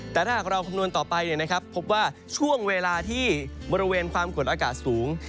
แต่ถ้าหากเราคำนวณต่อไปพบว่าช่วงเวลาที่บริเวณความกดอากาศสูง